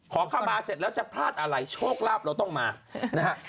ขอเข้ามาเสร็จแล้วจะพลาดอะไรโชคลาภเราต้องมานะฮะ